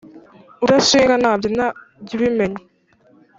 Udashinga ntabyina jy’ubimenya